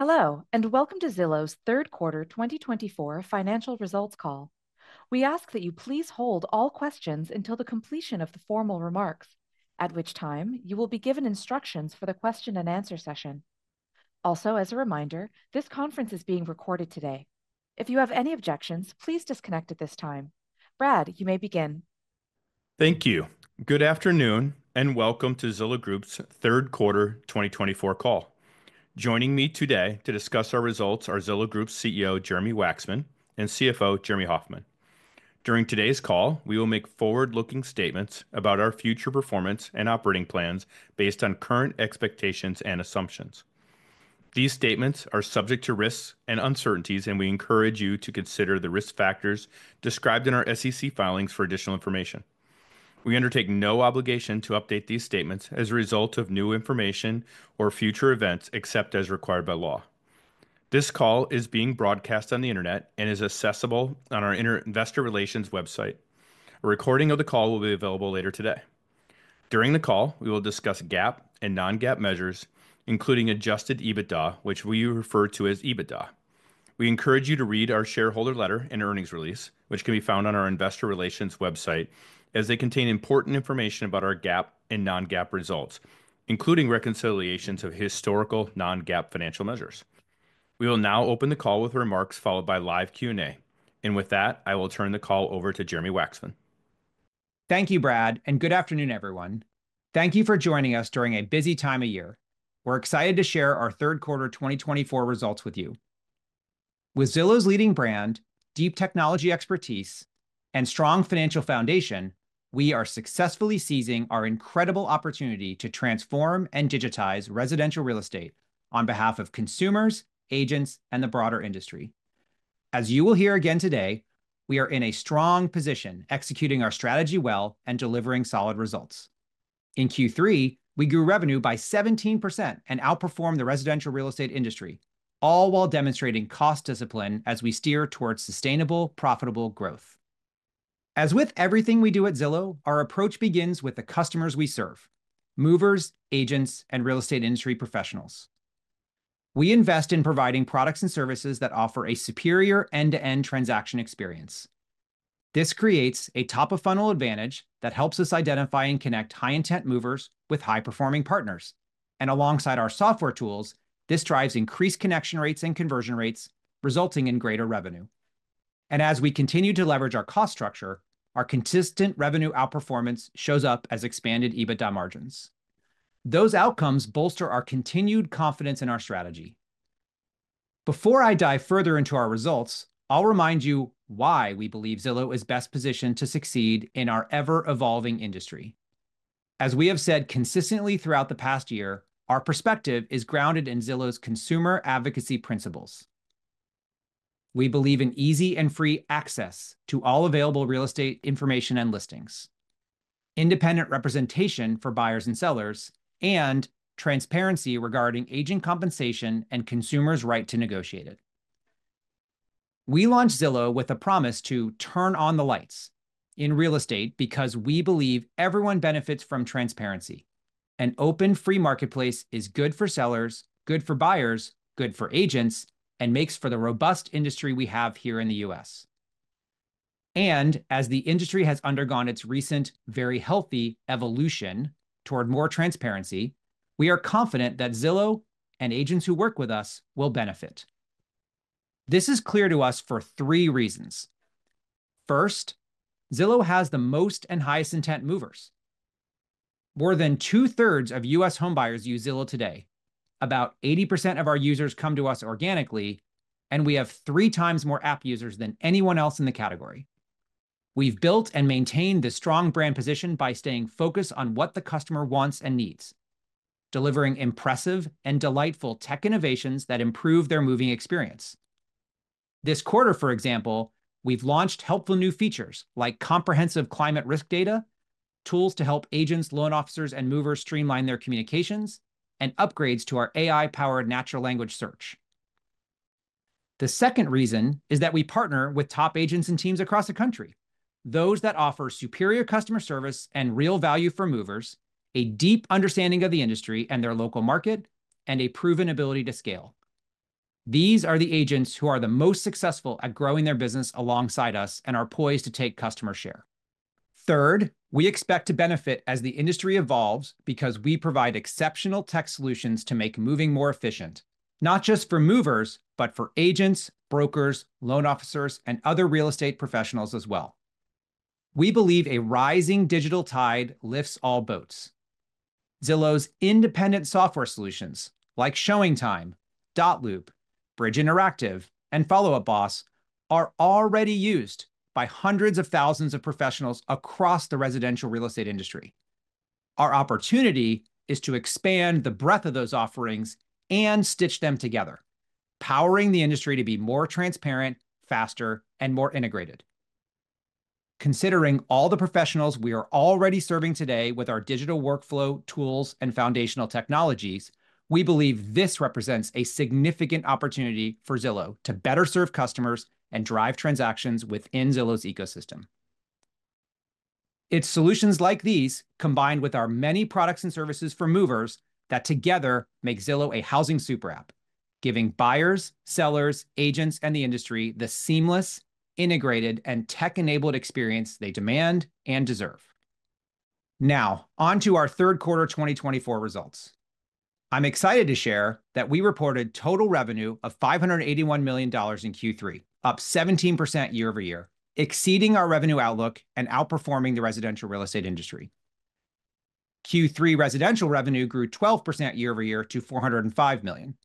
Hello, and welcome to Zillow's third quarter 2024 financial results call. We ask that you please hold all questions until the completion of the formal remarks, at which time you will be given instructions for the question-and-answer session. Also, as a reminder, this conference is being recorded today. If you have any objections, please disconnect at this time. Brad, you may begin. Thank you. Good afternoon, and welcome to Zillow Group's third quarter 2024 call. Joining me today to discuss our results are Zillow Group's CEO, Jeremy Wacksman, and CFO, Jeremy Hofmann. During today's call, we will make forward-looking statements about our future performance and operating plans based on current expectations and assumptions. These statements are subject to risks and uncertainties, and we encourage you to consider the risk factors described in our SEC filings for additional information. We undertake no obligation to update these statements as a result of new information or future events except as required by law. This call is being broadcast on the internet and is accessible on our Investor Relations website. A recording of the call will be available later today. During the call, we will discuss GAAP and non-GAAP measures, including adjusted EBITDA, which we refer to as EBITDA. We encourage you to read our shareholder letter and earnings release, which can be found on our Investor Relations website, as they contain important information about our GAAP and non-GAAP results, including reconciliations of historical non-GAAP financial measures. We will now open the call with remarks followed by live Q&A, and with that, I will turn the call over to Jeremy Wacksman. Thank you, Brad, and good afternoon, everyone. Thank you for joining us during a busy time of year. We're excited to share our third quarter 2024 results with you. With Zillow's leading brand, deep technology expertise, and strong financial foundation, we are successfully seizing our incredible opportunity to transform and digitize residential real estate on behalf of consumers, agents, and the broader industry. As you will hear again today, we are in a strong position, executing our strategy well and delivering solid results. In Q3, we grew revenue by 17% and outperformed the residential real estate industry, all while demonstrating cost discipline as we steer towards sustainable, profitable growth. As with everything we do at Zillow, our approach begins with the customers we serve: movers, agents, and real estate industry professionals. We invest in providing products and services that offer a superior end-to-end transaction experience. This creates a top-of-funnel advantage that helps us identify and connect high-intent movers with high-performing partners, and alongside our software tools, this drives increased connection rates and conversion rates, resulting in greater revenue, and as we continue to leverage our cost structure, our consistent revenue outperformance shows up as expanded EBITDA margins. Those outcomes bolster our continued confidence in our strategy. Before I dive further into our results, I'll remind you why we believe Zillow is best positioned to succeed in our ever-evolving industry. As we have said consistently throughout the past year, our perspective is grounded in Zillow's consumer advocacy principles. We believe in easy and free access to all available real estate information and listings, independent representation for buyers and sellers, and transparency regarding agent compensation and consumers' right to negotiate it. We launched Zillow with a promise to "turn on the lights" in real estate because we believe everyone benefits from transparency. An open, free marketplace is good for sellers, good for buyers, good for agents, and makes for the robust industry we have here in the U.S. And as the industry has undergone its recent, very healthy evolution toward more transparency, we are confident that Zillow and agents who work with us will benefit. This is clear to us for three reasons. First, Zillow has the most and highest intent movers. More than 2/3 of U.S. homebuyers use Zillow today. About 80% of our users come to us organically, and we have three times more app users than anyone else in the category. We've built and maintained the strong brand position by staying focused on what the customer wants and needs, delivering impressive and delightful tech innovations that improve their moving experience. This quarter, for example, we've launched helpful new features like comprehensive climate risk data, tools to help agents, loan officers, and movers streamline their communications, and upgrades to our AI-powered natural language search. The second reason is that we partner with top agents and teams across the country, those that offer superior customer service and real value for movers, a deep understanding of the industry and their local market, and a proven ability to scale. These are the agents who are the most successful at growing their business alongside us and are poised to take customer share. Third, we expect to benefit as the industry evolves because we provide exceptional tech solutions to make moving more efficient, not just for movers, but for agents, brokers, loan officers, and other real estate professionals as well. We believe a rising digital tide lifts all boats. Zillow's independent software solutions, like ShowingTime, Dotloop, Bridge Interactive, and Follow Up Boss, are already used by hundreds of thousands of professionals across the residential real estate industry. Our opportunity is to expand the breadth of those offerings and stitch them together, powering the industry to be more transparent, faster, and more integrated. Considering all the professionals we are already serving today with our digital workflow tools and foundational technologies, we believe this represents a significant opportunity for Zillow to better serve customers and drive transactions within Zillow's ecosystem. It's solutions like these, combined with our many products and services for movers, that together make Zillow a housing super app, giving buyers, sellers, agents, and the industry the seamless, integrated, and tech-enabled experience they demand and deserve. Now, on to our third quarter 2024 results. I'm excited to share that we reported total revenue of $581 million in Q3, up 17% year-over-year, exceeding our revenue outlook and outperforming the residential real estate industry. Q3 residential revenue grew 12% year-over-year to $405 million.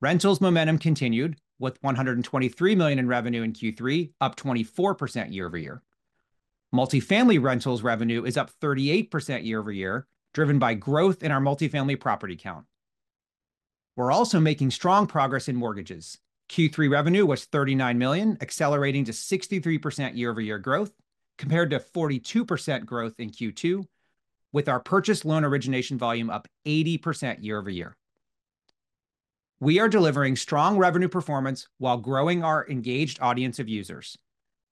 Rentals momentum continued, with $123 million in revenue in Q3, up 24% year-over-year. Multifamily rentals revenue is up 38% year-over-year, driven by growth in our multifamily property count. We're also making strong progress in mortgages. Q3 revenue was $39 million, accelerating to 63% year-over-year growth, compared to 42% growth in Q2, with our purchase loan origination volume up 80% year-over-year. We are delivering strong revenue performance while growing our engaged audience of users.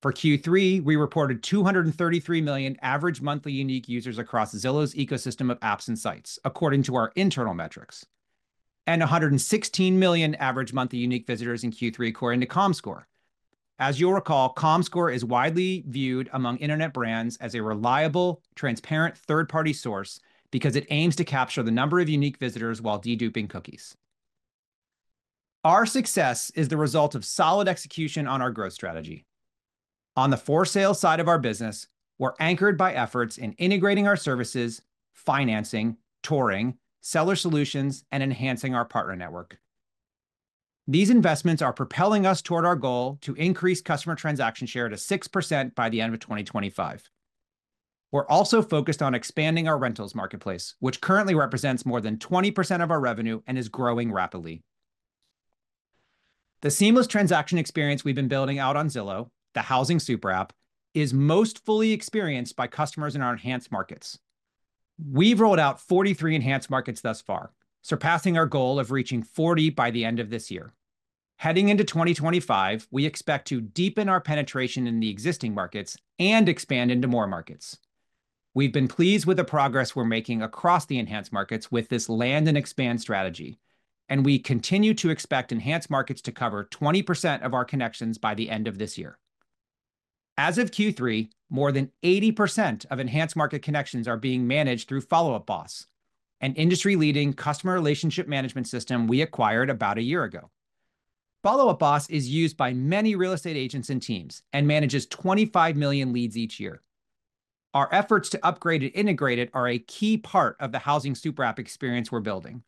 For Q3, we reported 233 million average monthly unique users across Zillow's ecosystem of apps and sites, according to our internal metrics, and 116 million average monthly unique visitors in Q3, according to comScore. As you'll recall, comScore is widely viewed among internet brands as a reliable, transparent third-party source because it aims to capture the number of unique visitors while deduping cookies. Our success is the result of solid execution on our growth strategy. On the for-sale side of our business, we're anchored by efforts in integrating our services, financing, touring, seller solutions, and enhancing our partner network. These investments are propelling us toward our goal to increase customer transaction share to 6% by the end of 2025. We're also focused on expanding our rentals marketplace, which currently represents more than 20% of our revenue and is growing rapidly. The seamless transaction experience we've been building out on Zillow, the housing super app, is most fully experienced by customers in our enhanced markets. We've rolled out 43 enhanced markets thus far, surpassing our goal of reaching 40 by the end of this year. Heading into 2025, we expect to deepen our penetration in the existing markets and expand into more markets. We've been pleased with the progress we're making across the enhanced markets with this land-and-expand strategy, and we continue to expect enhanced markets to cover 20% of our connections by the end of this year. As of Q3, more than 80% of enhanced market connections are being managed through Follow Up Boss, an industry-leading customer relationship management system we acquired about a year ago. Follow Up Boss is used by many real estate agents and teams and manages 25 million leads each year. Our efforts to upgrade and integrate it are a key part of the housing super app experience we're building.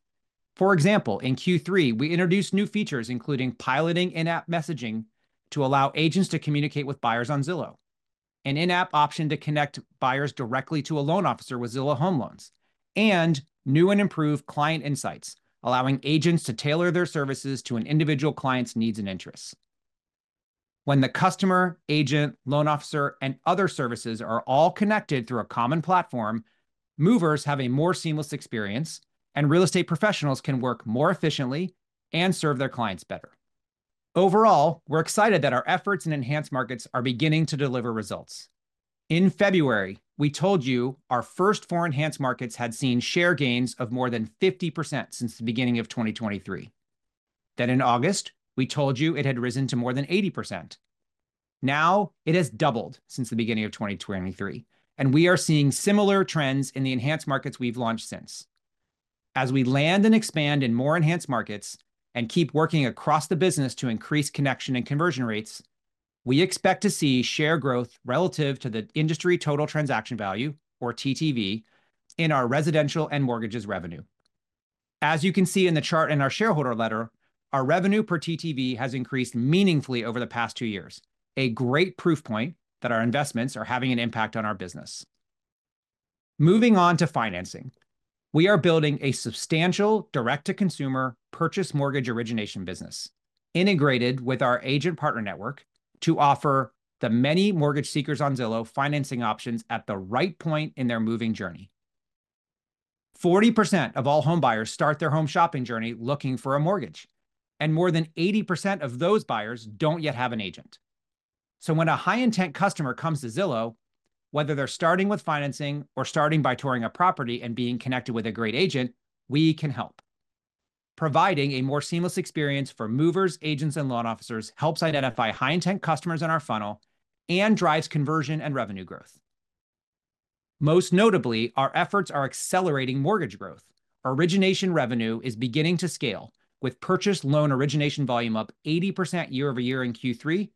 For example, in Q3, we introduced new features, including piloting in-app messaging to allow agents to communicate with buyers on Zillow, an in-app option to connect buyers directly to a loan officer with Zillow Home Loans, and new and improved client insights, allowing agents to tailor their services to an individual client's needs and interests. When the customer, agent, loan officer, and other services are all connected through a common platform, movers have a more seamless experience, and real estate professionals can work more efficiently and serve their clients better. Overall, we're excited that our efforts in enhanced markets are beginning to deliver results. In February, we told you our first four enhanced markets had seen share gains of more than 50% since the beginning of 2023. Then in August, we told you it had risen to more than 80%. Now it has doubled since the beginning of 2023, and we are seeing similar trends in the enhanced markets we've launched since. As we land and expand in more enhanced markets and keep working across the business to increase connection and conversion rates, we expect to see share growth relative to the industry Total Transaction Value, or TTV, in our residential and mortgages revenue. As you can see in the chart in our shareholder letter, our revenue per TTV has increased meaningfully over the past two years, a great proof point that our investments are having an impact on our business. Moving on to financing, we are building a substantial direct-to-consumer purchase mortgage origination business, integrated with our agent partner network, to offer the many mortgage seekers on Zillow financing options at the right point in their moving journey. 40% of all homebuyers start their home shopping journey looking for a mortgage, and more than 80% of those buyers don't yet have an agent. So when a high-intent customer comes to Zillow, whether they're starting with financing or starting by touring a property and being connected with a great agent, we can help. Providing a more seamless experience for movers, agents, and loan officers helps identify high-intent customers in our funnel and drives conversion and revenue growth. Most notably, our efforts are accelerating mortgage growth. Origination revenue is beginning to scale, with purchase loan origination volume up 80% year-over-year in Q3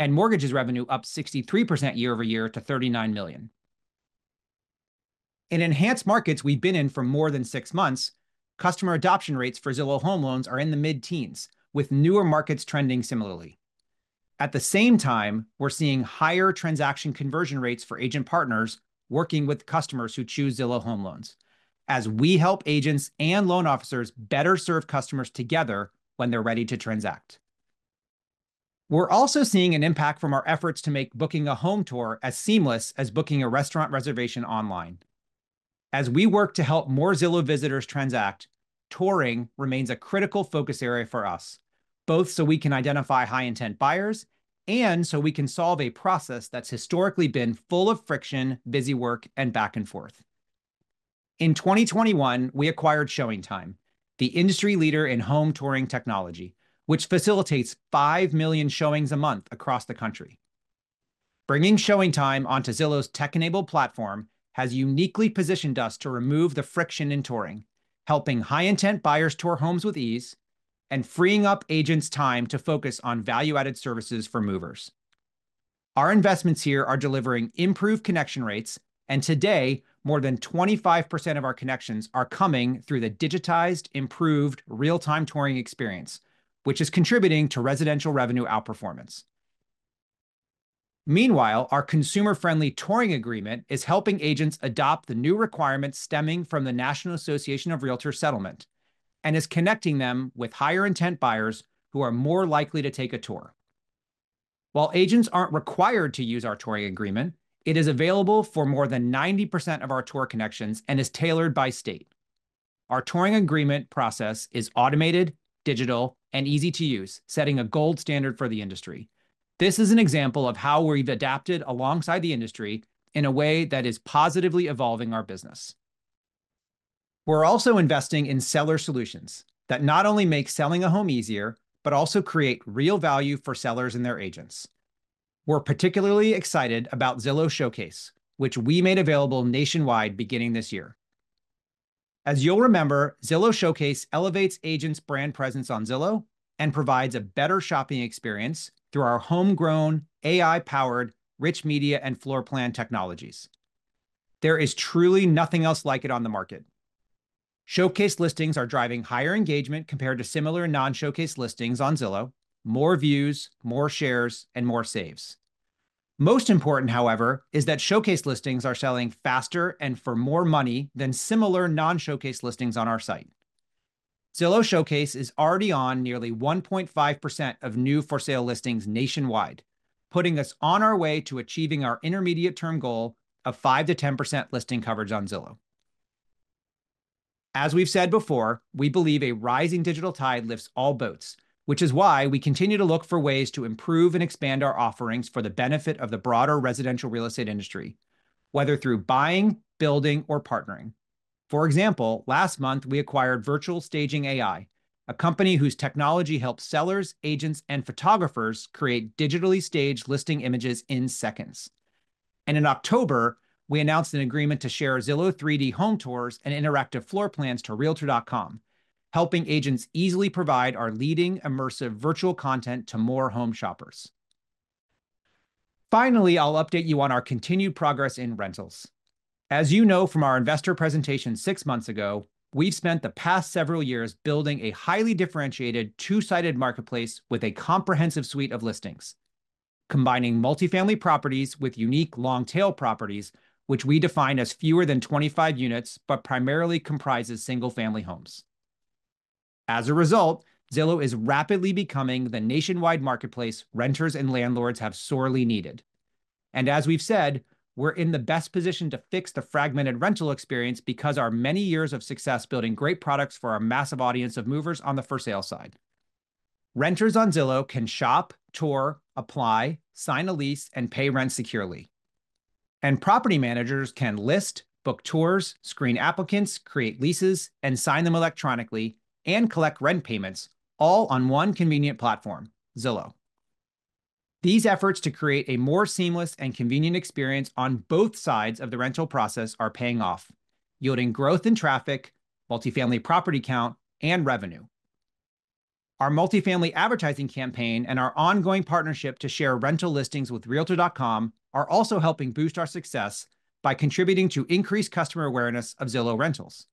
and mortgages revenue up 63% year-over-year to $39 million. In Enhanced markets we've been in for more than six months, customer adoption rates for Zillow Home Loans are in the mid-teens, with newer markets trending similarly. At the same time, we're seeing higher transaction conversion rates for agent partners working with customers who choose Zillow Home Loans, as we help agents and loan officers better serve customers together when they're ready to transact. We're also seeing an impact from our efforts to make booking a home tour as seamless as booking a restaurant reservation online. As we work to help more Zillow visitors transact, touring remains a critical focus area for us, both so we can identify high-intent buyers and so we can solve a process that's historically been full of friction, busy work, and back and forth. In 2021, we acquired ShowingTime, the industry leader in home touring technology, which facilitates five million showings a month across the country. Bringing ShowingTime onto Zillow's tech-enabled platform has uniquely positioned us to remove the friction in touring, helping high-intent buyers tour homes with ease and freeing up agents' time to focus on value-added services for movers. Our investments here are delivering improved connection rates, and today, more than 25% of our connections are coming through the digitized, improved, real-time touring experience, which is contributing to residential revenue outperformance. Meanwhile, our consumer-friendly touring agreement is helping agents adopt the new requirements stemming from the National Association of Realtors' Settlement and is connecting them with higher-intent buyers who are more likely to take a tour. While agents aren't required to use our touring agreement, it is available for more than 90% of our tour connections and is tailored by state. Our touring agreement process is automated, digital, and easy to use, setting a gold standard for the industry. This is an example of how we've adapted alongside the industry in a way that is positively evolving our business. We're also investing in seller solutions that not only make selling a home easier, but also create real value for sellers and their agents. We're particularly excited about Zillow Showcase, which we made available nationwide beginning this year. As you'll remember, Zillow Showcase elevates agents' brand presence on Zillow and provides a better shopping experience through our homegrown, AI-powered, rich media and floor plan technologies. There is truly nothing else like it on the market. Showcase listings are driving higher engagement compared to similar non-Showcase listings on Zillow: more views, more shares, and more saves. Most important, however, is that Showcase listings are selling faster and for more money than similar non-Showcase listings on our site. Zillow Showcase is already on nearly 1.5% of new for-sale listings nationwide, putting us on our way to achieving our intermediate-term goal of 5%-10% listing coverage on Zillow. As we've said before, we believe a rising digital tide lifts all boats, which is why we continue to look for ways to improve and expand our offerings for the benefit of the broader residential real estate industry, whether through buying, building, or partnering. For example, last month, we acquired Virtual Staging AI, a company whose technology helps sellers, agents, and photographers create digitally staged listing images in seconds. And in October, we announced an agreement to share Zillow 3D Home tours and interactive floor plans to Realtor.com, helping agents easily provide our leading immersive virtual content to more home shoppers. Finally, I'll update you on our continued progress in rentals. As you know from our investor presentation six months ago, we've spent the past several years building a highly differentiated, two-sided marketplace with a comprehensive suite of listings, combining multifamily properties with unique long-tail properties, which we define as fewer than 25 units, but primarily comprises single-family homes. As a result, Zillow is rapidly becoming the nationwide marketplace renters and landlords have sorely needed. And as we've said, we're in the best position to fix the fragmented rental experience because of our many years of success building great products for our massive audience of movers on the for-sale side. Renters on Zillow can shop, tour, apply, sign a lease, and pay rent securely. And property managers can list, book tours, screen applicants, create leases, and sign them electronically and collect rent payments, all on one convenient platform, Zillow. These efforts to create a more seamless and convenient experience on both sides of the rental process are paying off, yielding growth in traffic, multifamily property count, and revenue. Our multifamily advertising campaign and our ongoing partnership to share rental listings with Realtor.com are also helping boost our success by contributing to increased customer awareness of Zillow Rentals.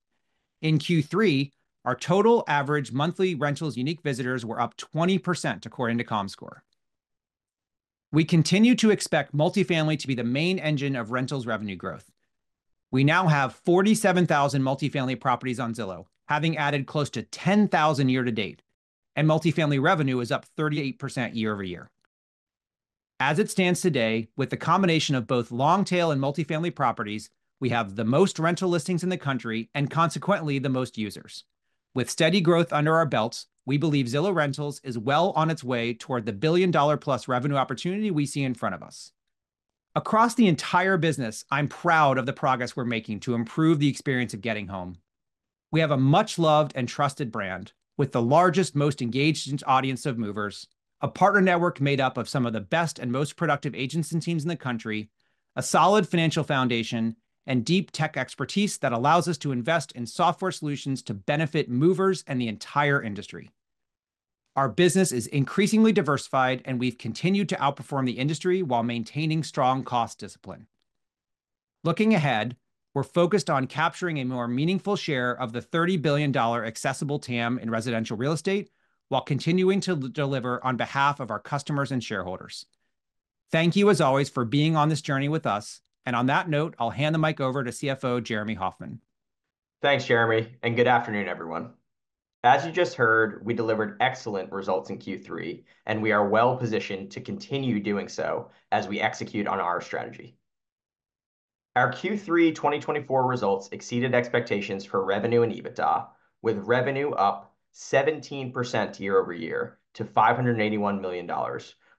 In Q3, our total average monthly rentals unique visitors were up 20%, according to comScore. We continue to expect multifamily to be the main engine of rentals revenue growth. We now have 47,000 multifamily properties on Zillow, having added close to 10,000 year-to-date, and multifamily revenue is up 38% year-over-year. As it stands today, with the combination of both long-tail and multifamily properties, we have the most rental listings in the country and, consequently, the most users. With steady growth under our belts, we believe Zillow Rentals is well on its way toward the billion-dollar-plus revenue opportunity we see in front of us. Across the entire business, I'm proud of the progress we're making to improve the experience of getting home. We have a much-loved and trusted brand with the largest, most engaged audience of movers, a partner network made up of some of the best and most productive agents and teams in the country, a solid financial foundation, and deep tech expertise that allows us to invest in software solutions to benefit movers and the entire industry. Our business is increasingly diversified, and we've continued to outperform the industry while maintaining strong cost discipline. Looking ahead, we're focused on capturing a more meaningful share of the $30 billion accessible TAM in residential real estate while continuing to deliver on behalf of our customers and shareholders. Thank you, as always, for being on this journey with us. And on that note, I'll hand the mic over to CFO Jeremy Hofmann. Thanks, Jeremy, and good afternoon, everyone. As you just heard, we delivered excellent results in Q3, and we are well-positioned to continue doing so as we execute on our strategy. Our Q3 2024 results exceeded expectations for revenue and EBITDA, with revenue up 17% year-over-year to $581 million,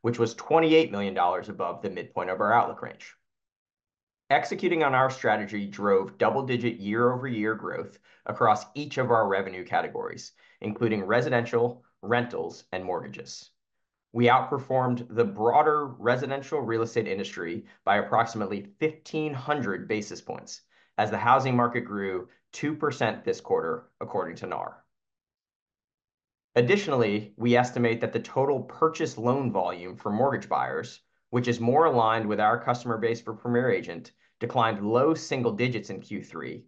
which was $28 million above the midpoint of our outlook range. Executing on our strategy drove double-digit year-over-year growth across each of our revenue categories, including residential, rentals, and mortgages. We outperformed the broader residential real estate industry by approximately 1,500 basis points as the housing market grew 2% this quarter, according to NAR. Additionally, we estimate that the total purchase loan volume for mortgage buyers, which is more aligned with our customer base for Premier Agent, declined low single digits in Q3,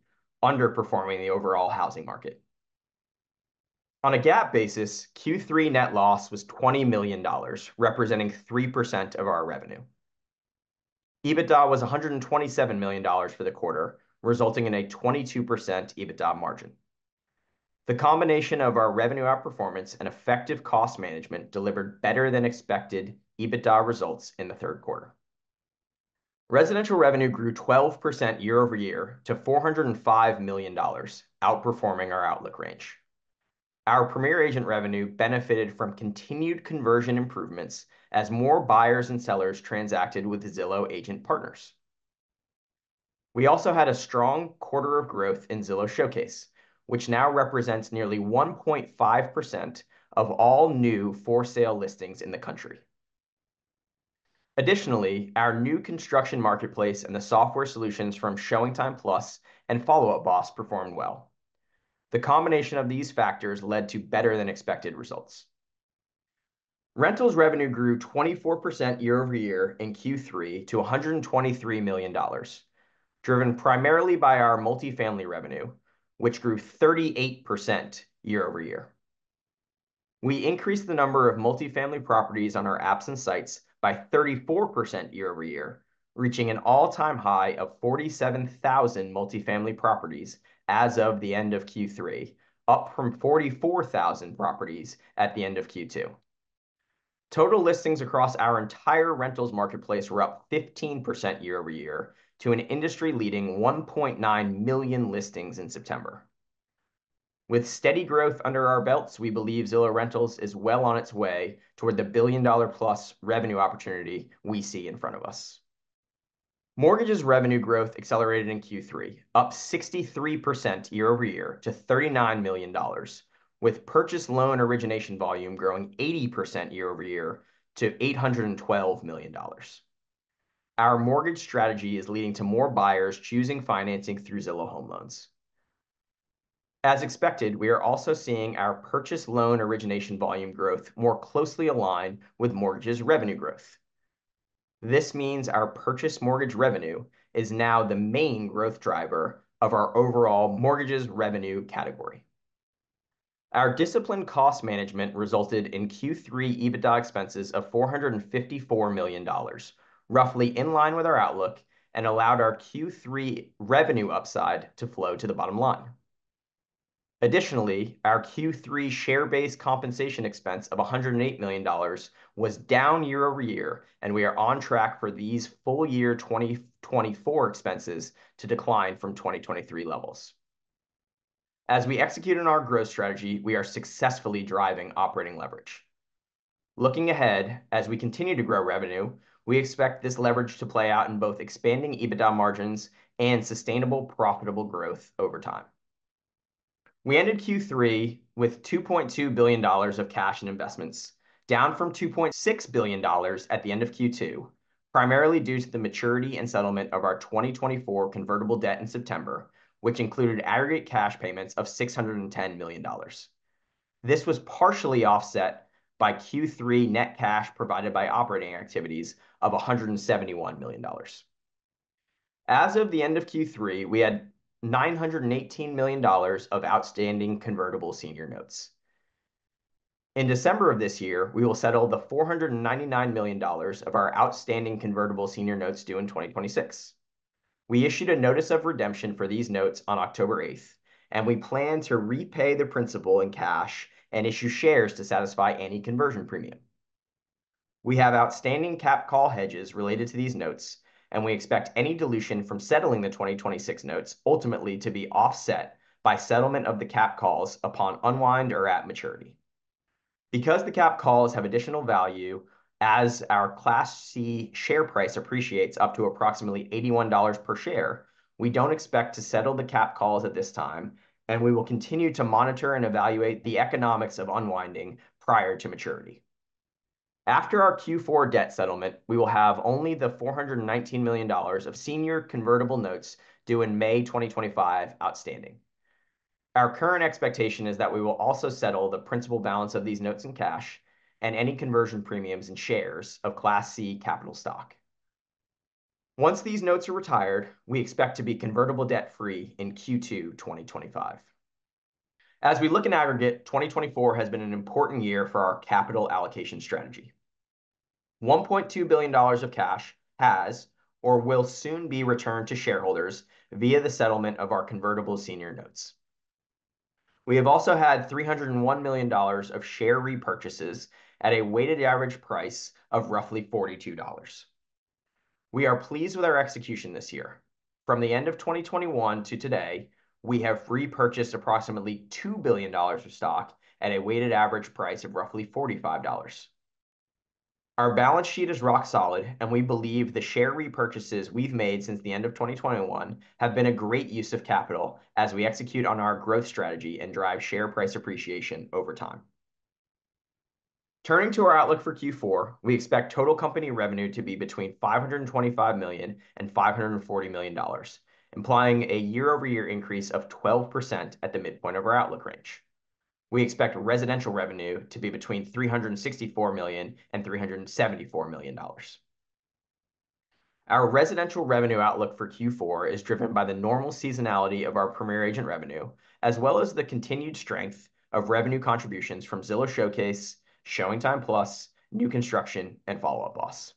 underperforming the overall housing market. On a GAAP basis, Q3 net loss was $20 million, representing 3% of our revenue. EBITDA was $127 million for the quarter, resulting in a 22% EBITDA margin. The combination of our revenue outperformance and effective cost management delivered better-than-expected EBITDA results in the third quarter. Residential revenue grew 12% year-over-year to $405 million, outperforming our outlook range. Our Premier Agent revenue benefited from continued conversion improvements as more buyers and sellers transacted with Zillow agent partners. We also had a strong quarter of growth in Zillow Showcase, which now represents nearly 1.5% of all new for-sale listings in the country. Additionally, our new construction marketplace and the software solutions from ShowingTime+ and Follow Up Boss performed well. The combination of these factors led to better-than-expected results. Rentals revenue grew 24% year-over-year in Q3 to $123 million, driven primarily by our multifamily revenue, which grew 38% year-over-year. We increased the number of multifamily properties on our apps and sites by 34% year-over-year, reaching an all-time high of 47,000 multifamily properties as of the end of Q3, up from 44,000 properties at the end of Q2. Total listings across our entire rentals marketplace were up 15% year-over-year to an industry-leading 1.9 million listings in September. With steady growth under our belts, we believe Zillow Rentals is well on its way toward the billion-dollar-plus revenue opportunity we see in front of us. Mortgages revenue growth accelerated in Q3, up 63% year-over-year to $39 million, with purchase loan origination volume growing 80% year-over-year to $812 million. Our mortgage strategy is leading to more buyers choosing financing through Zillow Home Loans. As expected, we are also seeing our purchase loan origination volume growth more closely aligned with mortgages revenue growth. This means our purchase mortgage revenue is now the main growth driver of our overall mortgages revenue category. Our disciplined cost management resulted in Q3 EBITDA expenses of $454 million, roughly in line with our outlook, and allowed our Q3 revenue upside to flow to the bottom line. Additionally, our Q3 share-based compensation expense of $108 million was down year-over-year, and we are on track for these full-year 2024 expenses to decline from 2023 levels. As we execute on our growth strategy, we are successfully driving operating leverage. Looking ahead, as we continue to grow revenue, we expect this leverage to play out in both expanding EBITDA margins and sustainable profitable growth over time. We ended Q3 with $2.2 billion of cash and investments, down from $2.6 billion at the end of Q2, primarily due to the maturity and settlement of our 2024 convertible debt in September, which included aggregate cash payments of $610 million. This was partially offset by Q3 net cash provided by operating activities of $171 million. As of the end of Q3, we had $918 million of outstanding convertible senior notes. In December of this year, we will settle the $499 million of our outstanding convertible senior notes due in 2026. We issued a notice of redemption for these notes on October 8th, and we plan to repay the principal in cash and issue shares to satisfy any conversion premium. We have outstanding cap call hedges related to these notes, and we expect any dilution from settling the 2026 notes ultimately to be offset by settlement of the cap calls upon unwind or at maturity. Because the cap calls have additional value as our Class C share price appreciates up to approximately $81 per share, we don't expect to settle the cap calls at this time, and we will continue to monitor and evaluate the economics of unwinding prior to maturity. After our Q4 debt settlement, we will have only the $419 million of senior convertible notes due in May 2025 outstanding. Our current expectation is that we will also settle the principal balance of these notes in cash and any conversion premiums and shares of Class C capital stock. Once these notes are retired, we expect to be convertible debt-free in Q2 2025. As we look in aggregate, 2024 has been an important year for our capital allocation strategy. $1.2 billion of cash has or will soon be returned to shareholders via the settlement of our convertible senior notes. We have also had $301 million of share repurchases at a weighted average price of roughly $42. We are pleased with our execution this year. From the end of 2021 to today, we have repurchased approximately $2 billion of stock at a weighted average price of roughly $45. Our balance sheet is rock solid, and we believe the share repurchases we've made since the end of 2021 have been a great use of capital as we execute on our growth strategy and drive share price appreciation over time. Turning to our outlook for Q4, we expect total company revenue to be between $525 million and $540 million, implying a year-over-year increase of 12% at the midpoint of our outlook range. We expect residential revenue to be between $364 million and $374 million. Our residential revenue outlook for Q4 is driven by the normal seasonality of our Premier Agent revenue, as well as the continued strength of revenue contributions from Zillow Showcase, ShowingTime+, new construction, and Follow Up Boss.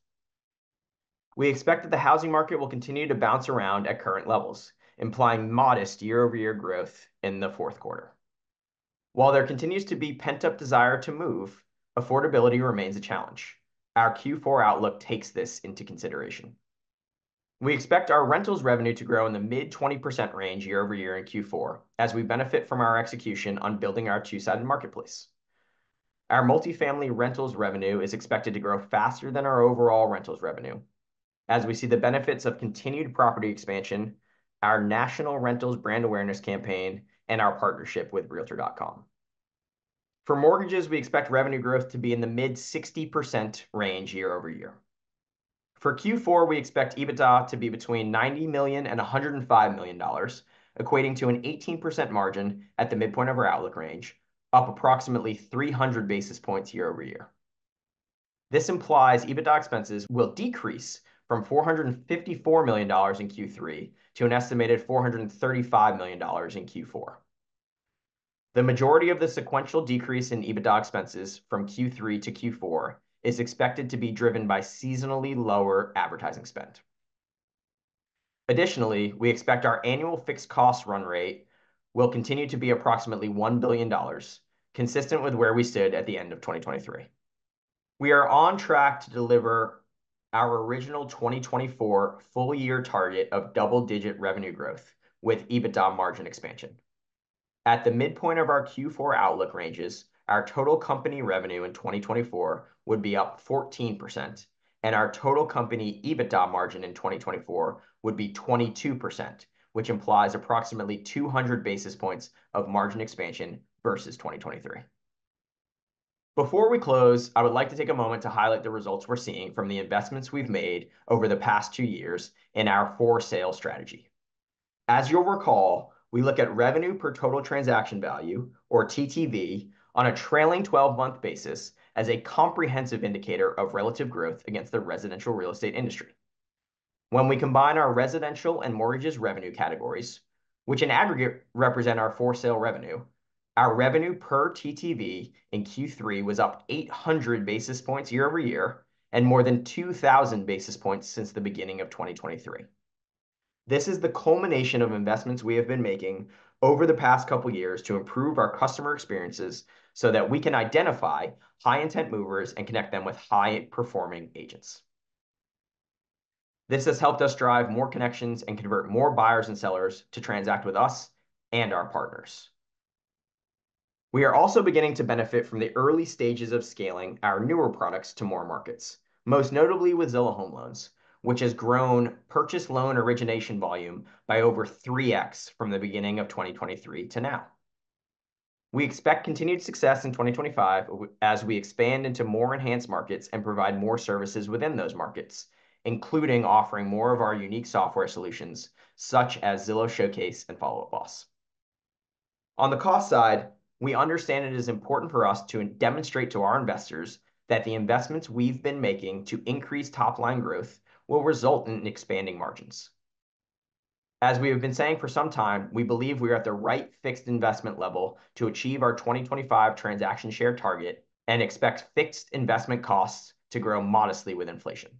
We expect that the housing market will continue to bounce around at current levels, implying modest year-over-year growth in the fourth quarter. While there continues to be pent-up desire to move, affordability remains a challenge. Our Q4 outlook takes this into consideration. We expect our rentals revenue to grow in the mid-20% range year-over-year in Q4 as we benefit from our execution on building our two-sided marketplace. Our multifamily rentals revenue is expected to grow faster than our overall rentals revenue as we see the benefits of continued property expansion, our national rentals brand awareness campaign, and our partnership with Realtor.com. For mortgages, we expect revenue growth to be in the mid-60% range year-over-year. For Q4, we expect EBITDA to be between $90 million and $105 million, equating to an 18% margin at the midpoint of our outlook range, up approximately 300 basis points year-over-year. This implies EBITDA expenses will decrease from $454 million in Q3 to an estimated $435 million in Q4. The majority of the sequential decrease in EBITDA expenses from Q3 to Q4 is expected to be driven by seasonally lower advertising spend. Additionally, we expect our annual fixed cost run rate will continue to be approximately $1 billion, consistent with where we stood at the end of 2023. We are on track to deliver our original 2024 full-year target of double-digit revenue growth with EBITDA margin expansion. At the midpoint of our Q4 outlook ranges, our total company revenue in 2024 would be up 14%, and our total company EBITDA margin in 2024 would be 22%, which implies approximately 200 basis points of margin expansion versus 2023. Before we close, I would like to take a moment to highlight the results we're seeing from the investments we've made over the past two years in our for-sale strategy. As you'll recall, we look at revenue per Total Transaction Value, or TTV, on a trailing 12-month basis as a comprehensive indicator of relative growth against the residential real estate industry. When we combine our residential and mortgages revenue categories, which in aggregate represent our for-sale revenue, our revenue per TTV in Q3 was up 800 basis points year-over-year and more than 2,000 basis points since the beginning of 2023. This is the culmination of investments we have been making over the past couple of years to improve our customer experiences so that we can identify high-intent movers and connect them with high-performing agents. This has helped us drive more connections and convert more buyers and sellers to transact with us and our partners. We are also beginning to benefit from the early stages of scaling our newer products to more markets, most notably with Zillow Home Loans, which has grown purchase loan origination volume by over 3x from the beginning of 2023 to now. We expect continued success in 2025 as we expand into more enhanced markets and provide more services within those markets, including offering more of our unique software solutions such as Zillow Showcase and Follow Up Boss. On the cost side, we understand it is important for us to demonstrate to our investors that the investments we've been making to increase top-line growth will result in expanding margins. As we have been saying for some time, we believe we are at the right fixed investment level to achieve our 2025 transaction share target and expect fixed investment costs to grow modestly with inflation.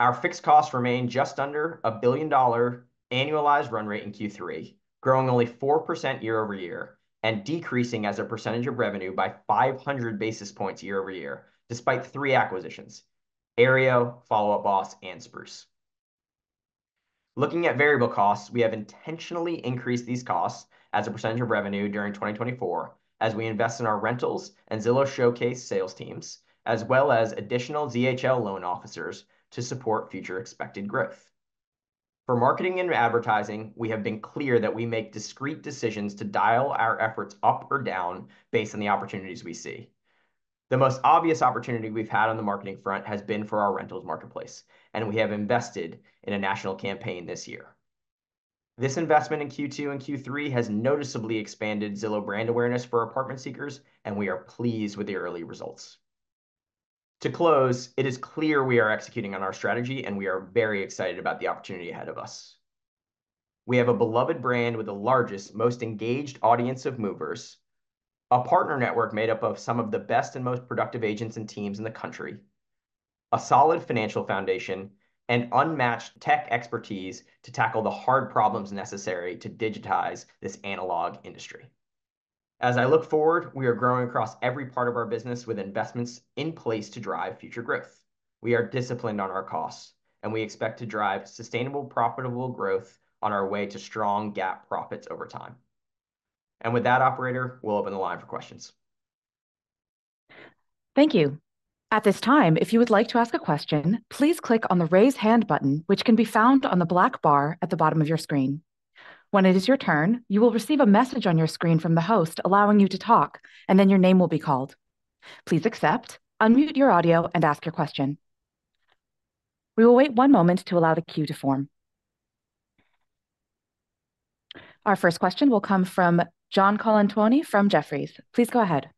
Our fixed costs remain just under $1 billion annualized run rate in Q3, growing only 4% year-over-year and decreasing as a percentage of revenue by 500 basis points year-over-year, despite three acquisitions: Aryeo, Follow Up Boss, and Spruce. Looking at variable costs, we have intentionally increased these costs as a percentage of revenue during 2024 as we invest in our rentals and Zillow Showcase sales teams, as well as additional ZHL loan officers to support future expected growth. For marketing and advertising, we have been clear that we make discreet decisions to dial our efforts up or down based on the opportunities we see. The most obvious opportunity we've had on the marketing front has been for our rentals marketplace, and we have invested in a national campaign this year. This investment in Q2 and Q3 has noticeably expanded Zillow brand awareness for apartment seekers, and we are pleased with the early results. To close, it is clear we are executing on our strategy, and we are very excited about the opportunity ahead of us. We have a beloved brand with the largest, most engaged audience of movers, a partner network made up of some of the best and most productive agents and teams in the country, a solid financial foundation, and unmatched tech expertise to tackle the hard problems necessary to digitize this analog industry. As I look forward, we are growing across every part of our business with investments in place to drive future growth. We are disciplined on our costs, and we expect to drive sustainable, profitable growth on our way to strong GAAP profits over time. And with that, Operator, we'll open the line for questions. Thank you. At this time, if you would like to ask a question, please click on the raise hand button, which can be found on the black bar at the bottom of your screen. When it is your turn, you will receive a message on your screen from the host allowing you to talk, and then your name will be called. Please accept, unmute your audio, and ask your question. We will wait one moment to allow the queue to form. Our first question will come from John Colantuoni from Jefferies. Please go ahead.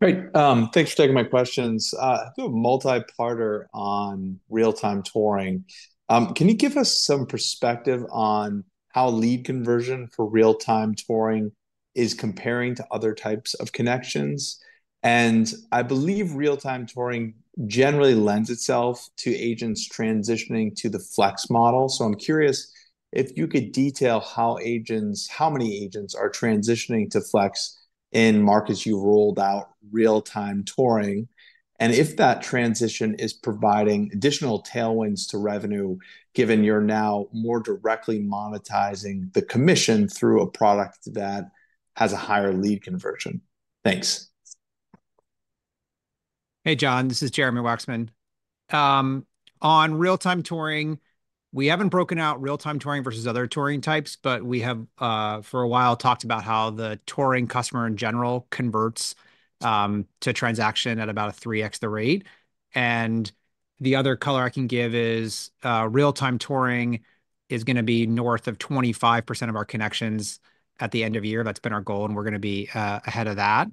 Great. Thanks for taking my questions. I do a multi-parter on real-time touring. Can you give us some perspective on how lead conversion for real-time touring is comparing to other types of connections? And I believe real-time touring generally lends itself to agents transitioning to the Flex model. I'm curious if you could detail how many agents are transitioning to Flex in markets you rolled out real-time touring, and if that transition is providing additional tailwinds to revenue, given you're now more directly monetizing the commission through a product that has a higher lead conversion. Thanks. Hey, John, this is Jeremy Wacksman. On real-time touring, we haven't broken out real-time touring versus other touring types, but we have, for a while, talked about how the touring customer in general converts to transaction at about a 3x the rate. And the other color I can give is real-time touring is going to be north of 25% of our connections at the end of the year. That's been our goal, and we're going to be ahead of that.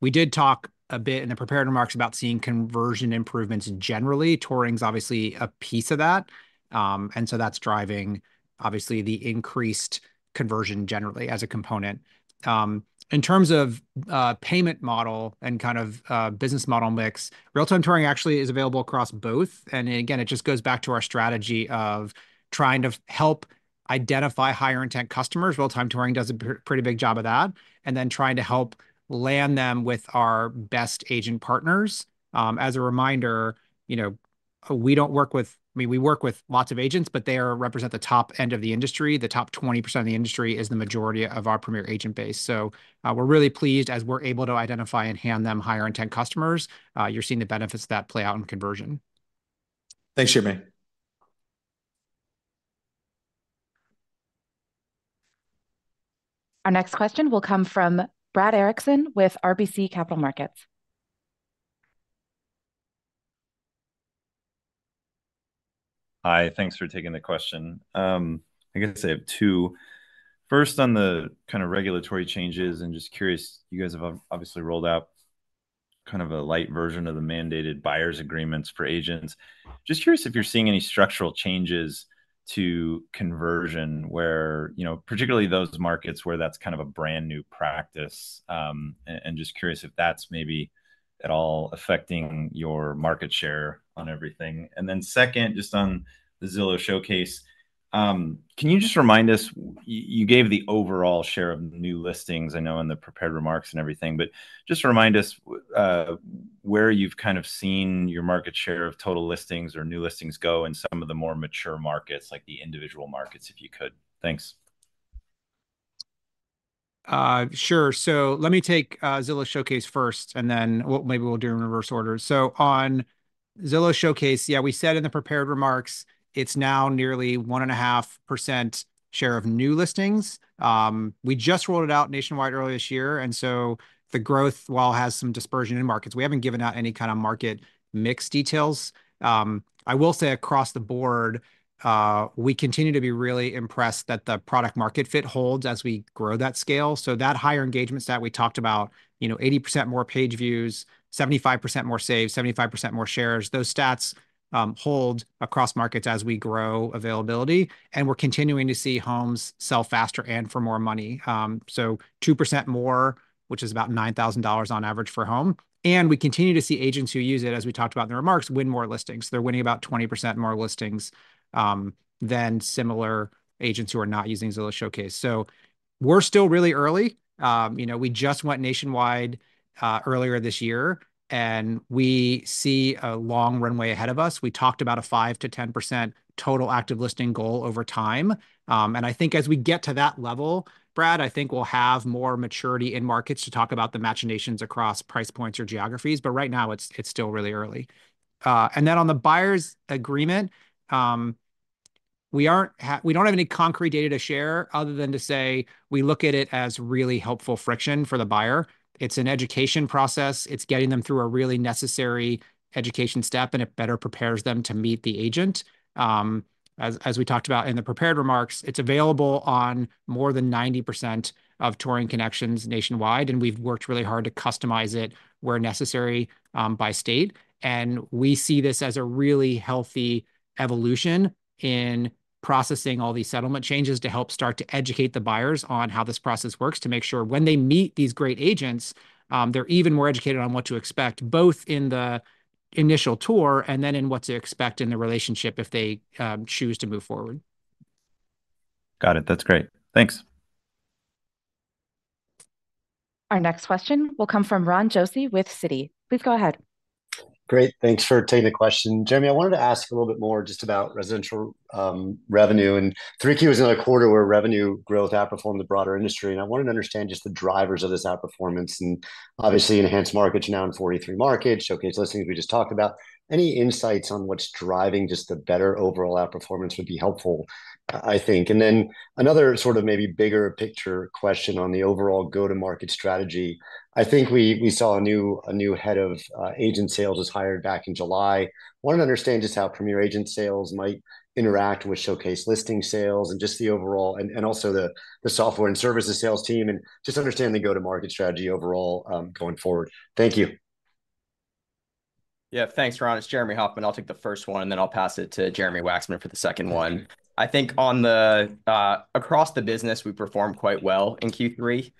We did talk a bit in the prepared remarks about seeing conversion improvements generally. Touring is obviously a piece of that, and so that's driving, obviously, the increased conversion generally as a component. In terms of payment model and kind of business model mix, real-time touring actually is available across both. And again, it just goes back to our strategy of trying to help identify higher-intent customers. Real-time touring does a pretty big job of that, and then trying to help land them with our best agent partners. As a reminder, we don't work with—I mean, we work with lots of agents, but they represent the top end of the industry. The top 20% of the industry is the majority of our Premier Agent base. So we're really pleased as we're able to identify and hand them higher-intent customers. You're seeing the benefits of that play out in conversion. Thanks, Jeremy. Our next question will come from Brad Erickson with RBC Capital Markets. Hi, thanks for taking the question. I guess I have two. First, on the kind of regulatory changes, and just curious, you guys have obviously rolled out kind of a light version of the mandated buyer's agreements for agents. Just curious if you're seeing any structural changes to conversion, particularly those markets where that's kind of a brand new practice, and just curious if that's maybe at all affecting your market share on everything. And then second, just on the Zillow Showcase, can you just remind us you gave the overall share of new listings, I know, in the prepared remarks and everything, but just remind us where you've kind of seen your market share of total listings or new listings go in some of the more mature markets, like the individual markets, if you could. Thanks. Sure. So let me take Zillow Showcase first, and then maybe we'll do it in reverse order. So on Zillow Showcase, yeah, we said in the prepared remarks, it's now nearly 1.5% share of new listings. We just rolled it out nationwide earlier this year, and so the growth, while it has some dispersion in markets, we haven't given out any kind of market mix details. I will say across the board, we continue to be really impressed that the product-market fit holds as we grow that scale. So that higher engagement stat we talked about, 80% more page views, 75% more saves, 75% more shares, those stats hold across markets as we grow availability, and we're continuing to see homes sell faster and for more money. So 2% more, which is about $9,000 on average per home. And we continue to see agents who use it, as we talked about in the remarks, win more listings. They're winning about 20% more listings than similar agents who are not using Zillow Showcase. So we're still really early. We just went nationwide earlier this year, and we see a long runway ahead of us. We talked about a 5%-10% total active listing goal over time. And I think as we get to that level, Brad, I think we'll have more maturity in markets to talk about the penetrations across price points or geographies, but right now, it's still really early. And then on the buyer's agreement, we don't have any concrete data to share other than to say we look at it as really helpful friction for the buyer. It's an education process. It's getting them through a really necessary education step, and it better prepares them to meet the agent. As we talked about in the prepared remarks, it's available on more than 90% of touring connections nationwide, and we've worked really hard to customize it where necessary by state. And we see this as a really healthy evolution in processing all these settlement changes to help start to educate the buyers on how this process works to make sure when they meet these great agents, they're even more educated on what to expect, both in the initial tour and then in what to expect in the relationship if they choose to move forward. Got it. That's great. Thanks. Our next question will come from Ron Josey with Citi. Please go ahead. Great. Thanks for taking the question. Jeremy, I wanted to ask a little bit more just about residential revenue. 3Q is another quarter where revenue growth outperformed the broader industry. I wanted to understand just the drivers of this outperformance and obviously enhanced markets now in 43 markets, showcase listings we just talked about. Any insights on what's driving just the better overall outperformance would be helpful, I think. Then another sort of maybe bigger picture question on the overall go-to-market strategy. I think we saw a new head of agent sales was hired back in July. I wanted to understand just how Premier Agent sales might interact with showcase listing sales and just the overall and also the software and services sales team and just understand the go-to-market strategy overall going forward. Thank you. Yeah, thanks, Ron. It's Jeremy Hofmann. I'll take the first one, and then I'll pass it to Jeremy Wacksman for the second one. I think across the business, we performed quite well in Q3.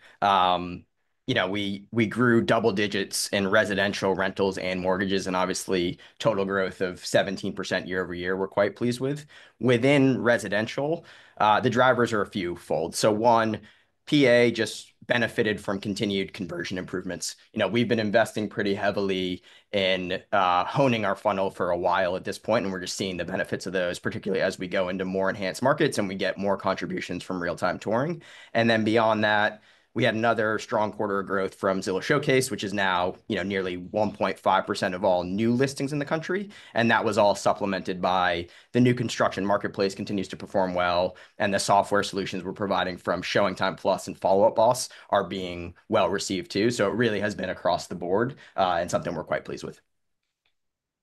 We grew double digits in residential rentals and mortgages, and obviously, total growth of 17% year-over-year we're quite pleased with. Within residential, the drivers are a few-fold, so one, PA just benefited from continued conversion improvements. We've been investing pretty heavily in honing our funnel for a while at this point, and we're just seeing the benefits of those, particularly as we go into more enhanced markets and we get more contributions from real-time touring, and then beyond that, we had another strong quarter of growth from Zillow Showcase, which is now nearly 1.5% of all new listings in the country, and that was all supplemented by the new construction marketplace continues to perform well, and the software solutions we're providing from ShowingTime+ and Follow Up Boss are being well received too. So it really has been across the board and something we're quite pleased with.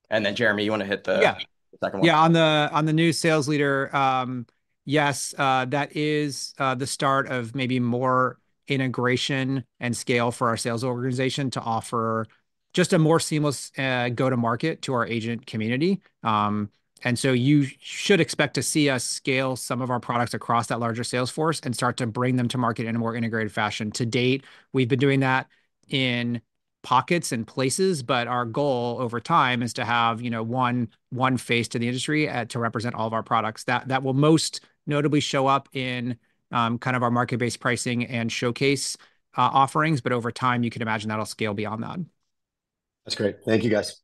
And then, Jeremy, you want to hit the second one? Yeah, on the new sales leader, yes, that is the start of maybe more integration and scale for our sales organization to offer just a more seamless go-to-market to our agent community. And so you should expect to see us scale some of our products across that larger sales force and start to bring them to market in a more integrated fashion. To date, we've been doing that in pockets and places, but our goal over time is to have one face to the industry to represent all of our products. That will most notably show up in kind of our market-based pricing and showcase offerings, but over time, you can imagine that'll scale beyond that. That's great. Thank you, guys.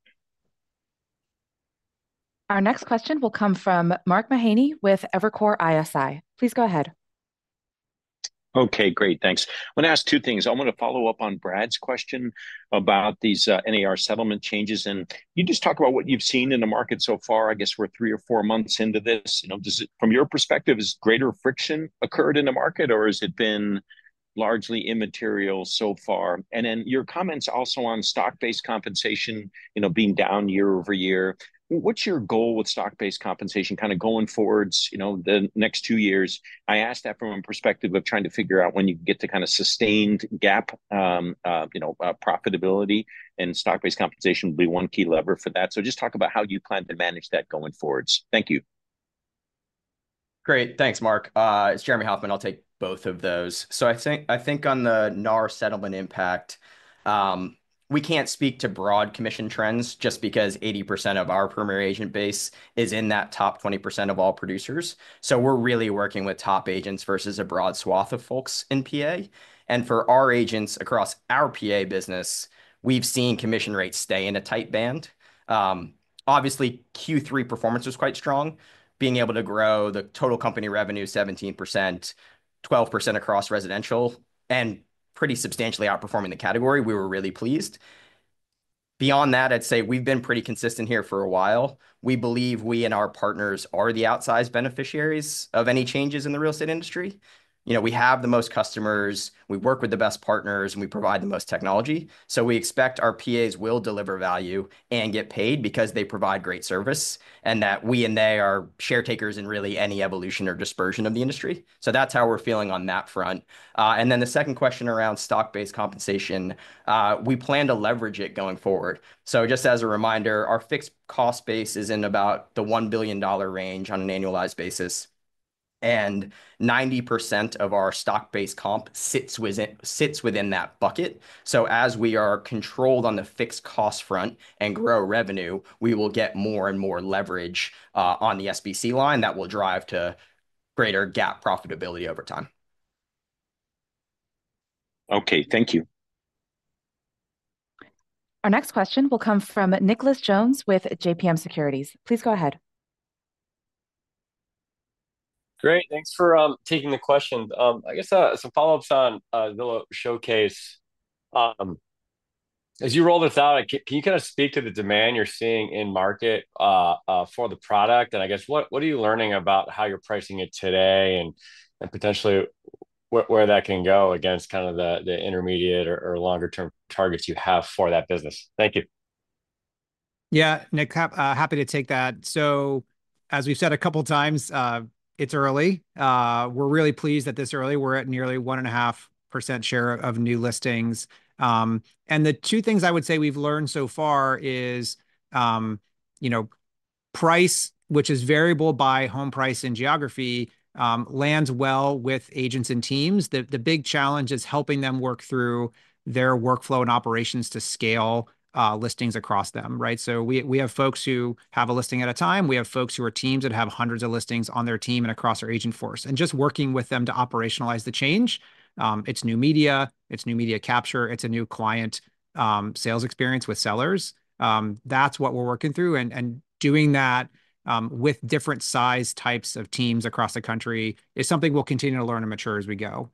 Our next question will come from Mark Mahaney with Evercore ISI. Please go ahead. Okay, great. Thanks. I want to ask two things. I want to follow up on Brad's question about these NAR settlement changes. And you just talked about what you've seen in the market so far. I guess we're three or four months into this. From your perspective, has greater friction occurred in the market, or has it been largely immaterial so far? And then your comments also on stock-based compensation being down year over year. What's your goal with stock-based compensation kind of going forward the next two years? I asked that from a perspective of trying to figure out when you can get to kind of sustained GAAP profitability, and stock-based compensation would be one key lever for that. So just talk about how you plan to manage that going forward. Thank you. Great. Thanks, Mark. It's Jeremy Hofmann. I'll take both of those. So I think on the NAR settlement impact, we can't speak to broad commission trends just because 80% of our Premier Agent base is in that top 20% of all producers. So we're really working with top agents versus a broad swath of folks in PA. And for our agents across our PA business, we've seen commission rates stay in a tight band. Obviously, Q3 performance was quite strong, being able to grow the total company revenue 17%, 12% across residential, and pretty substantially outperforming the category. We were really pleased. Beyond that, I'd say we've been pretty consistent here for a while. We believe we and our partners are the outsized beneficiaries of any changes in the real estate industry. We have the most customers. We work with the best partners, and we provide the most technology. We expect our PAs will deliver value and get paid because they provide great service and that we and they are share takers in really any evolution or dispersion of the industry. That's how we're feeling on that front. The second question around stock-based compensation, we plan to leverage it going forward. Just as a reminder, our fixed cost base is in about the $1 billion range on an annualized basis. 90% of our stock-based comp sits within that bucket. As we are controlled on the fixed cost front and grow revenue, we will get more and more leverage on the SBC line that will drive to greater GAAP profitability over time. Okay, thank you. Our next question will come from Nicholas Jones with JMP Securities. Please go ahead. Great. Thanks for taking the question. I guess some follow-ups on Zillow Showcase. As you roll this out, can you kind of speak to the demand you're seeing in market for the product? And I guess what are you learning about how you're pricing it today and potentially where that can go against kind of the intermediate or longer-term targets you have for that business? Thank you. Yeah, Nic, happy to take that. So as we've said a couple of times, it's early. We're really pleased that this early. We're at nearly 1.5% share of new listings. And the two things I would say we've learned so far is price, which is variable by home price and geography, lands well with agents and teams. The big challenge is helping them work through their workflow and operations to scale listings across them. So we have folks who have a listing at a time. We have folks who are teams that have hundreds of listings on their team and across our agent force. And just working with them to operationalize the change. It's new media. It's new media capture. It's a new client sales experience with sellers. That's what we're working through. And doing that with different size types of teams across the country is something we'll continue to learn and mature as we go.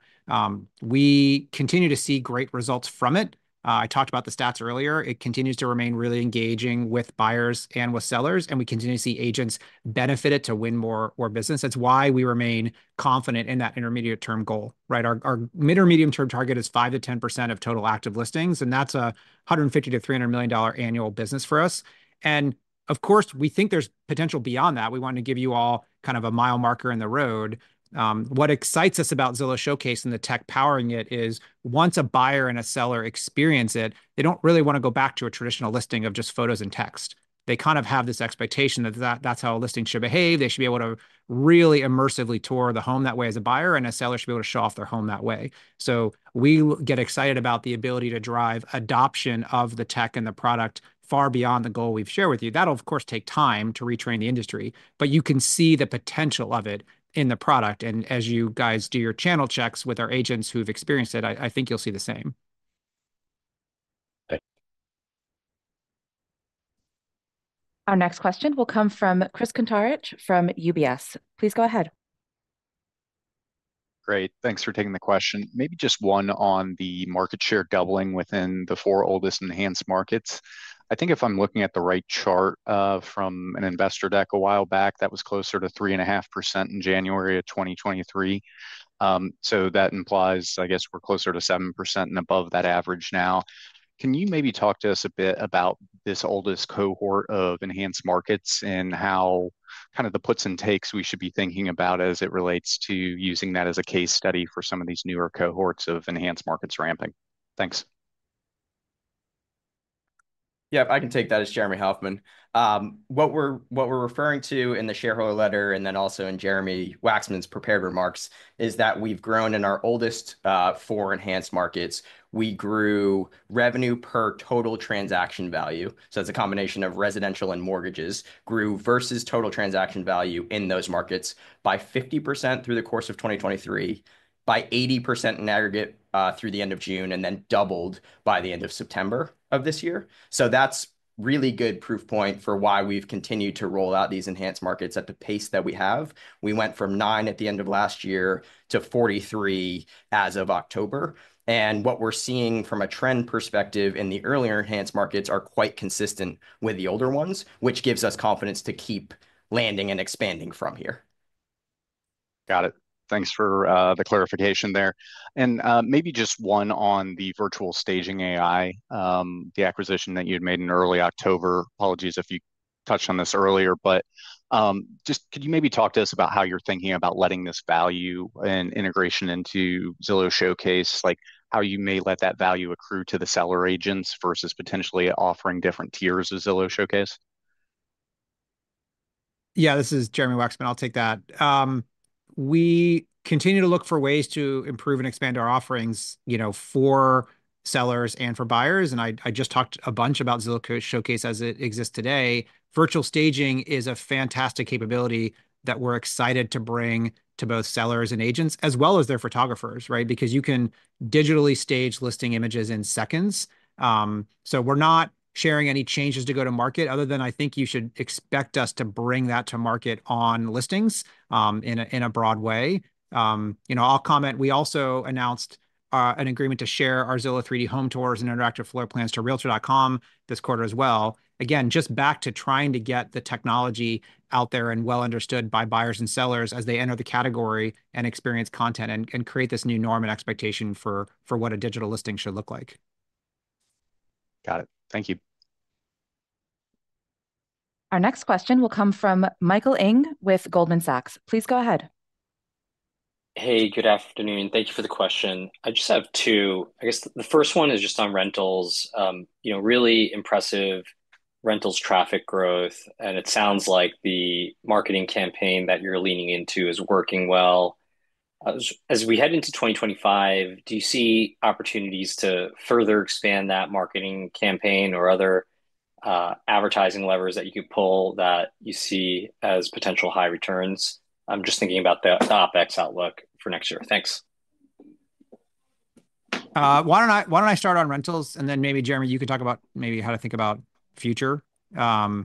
We continue to see great results from it. I talked about the stats earlier. It continues to remain really engaging with buyers and with sellers, and we continue to see agents benefit it to win more business. That's why we remain confident in that intermediate-term goal. Our mid or medium-term target is 5%-10% of total active listings, and that's a $150 million-$300 million annual business for us. And of course, we think there's potential beyond that. We wanted to give you all kind of a mile marker in the road. What excites us about Zillow Showcase and the tech powering it is once a buyer and a seller experience it, they don't really want to go back to a traditional listing of just photos and text. They kind of have this expectation that that's how a listing should behave. They should be able to really immersively tour the home that way as a buyer, and a seller should be able to show off their home that way. So we get excited about the ability to drive adoption of the tech and the product far beyond the goal we've shared with you. That'll, of course, take time to retrain the industry, but you can see the potential of it in the product. And as you guys do your channel checks with our agents who've experienced it, I think you'll see the same. Our next question will come from Chris Kuntarich from UBS. Please go ahead. Great. Thanks for taking the question. Maybe just one on the market share doubling within the four oldest enhanced markets. I think if I'm looking at the right chart from an investor deck a while back, that was closer to 3.5% in January of 2023. So that implies, I guess, we're closer to 7% and above that average now. Can you maybe talk to us a bit about this oldest cohort of enhanced markets and how kind of the puts and takes we should be thinking about as it relates to using that as a case study for some of these newer cohorts of enhanced markets ramping? Thanks. Yeah, I can take that as Jeremy Hofmann. What we're referring to in the shareholder letter and then also in Jeremy Wacksman's prepared remarks is that we've grown in our oldest four enhanced markets. We grew revenue per total transaction value. So it's a combination of residential and mortgages grew versus total transaction value in those markets by 50% through the course of 2023, by 80% in aggregate through the end of June, and then doubled by the end of September of this year. So that's really good proof point for why we've continued to roll out these enhanced markets at the pace that we have. We went from nine at the end of last year to 43 as of October. And what we're seeing from a trend perspective in the earlier enhanced markets are quite consistent with the older ones, which gives us confidence to keep landing and expanding from here. Got it. Thanks for the clarification there. And maybe just one on the Virtual Staging AI, the acquisition that you had made in early October. Apologies if you touched on this earlier, but just could you maybe talk to us about how you're thinking about letting this value and integration into Zillow Showcase, how you may let that value accrue to the seller agents versus potentially offering different tiers of Zillow Showcase? Yeah, this is Jeremy Wacksman. I'll take that. We continue to look for ways to improve and expand our offerings for sellers and for buyers. And I just talked a bunch about Zillow Showcase as it exists today. Virtual staging is a fantastic capability that we're excited to bring to both sellers and agents as well as their photographers, because you can digitally stage listing images in seconds. So we're not sharing any changes to go to market other than I think you should expect us to bring that to market on listings in a broad way. I'll comment. We also announced an agreement to share our Zillow 3D Home tours and interactive floor plans to Realtor.com this quarter as well. Again, just back to trying to get the technology out there and well understood by buyers and sellers as they enter the category and experience content and create this new norm and expectation for what a digital listing should look like. Got it. Thank you. Our next question will come from Michael Ng with Goldman Sachs. Please go ahead. Hey, good afternoon. Thank you for the question. I just have two. I guess the first one is just on rentals. Really impressive rentals traffic growth. And it sounds like the marketing campaign that you're leaning into is working well. As we head into 2025, do you see opportunities to further expand that marketing campaign or other advertising levers that you could pull that you see as potential high returns? I'm just thinking about the OpEx outlook for next year. Thanks. Why don't I start on rentals? And then maybe, Jeremy, you could talk about maybe how to think about future. Yeah,